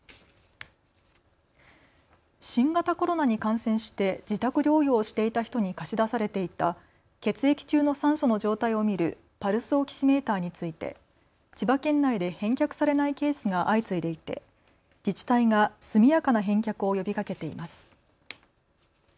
新型コロナに感染して自宅療養をしていた人に貸し出されていた血液中の酸素の状態を見るパルスオキシメーターについて千葉県内で返却されないケースが相次いでいて自治体が速やかな返却を呼びかけています。